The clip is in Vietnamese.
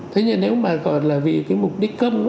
thế nhưng nếu mà gọi là vì cái mục đích cơm